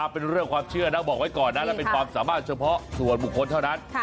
เป็นเรื่องความเชื่อนะบอกไว้ก่อนนะแล้วเป็นความสามารถเฉพาะส่วนบุคคลเท่านั้น